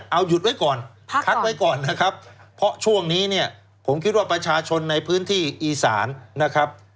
เอาหยุดไว้ก่อนคัดไว้ก่อนนะครับเพราะช่วงนี้เนี่ยผมคิดว่าประชาชนในพื้นที่อีสานนะครับ